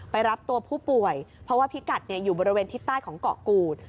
รับตัวผู้ป่วยเพราะว่าพิกัดอยู่บริเวณทิศใต้ของเกาะกูด